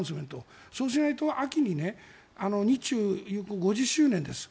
そうしないと秋に日中友好５０周年です。